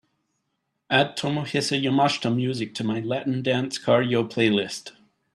Add tomohisa yamashita music to my Latin Dance Cardio playlist